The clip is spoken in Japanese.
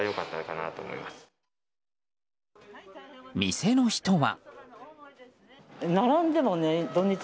店の人は。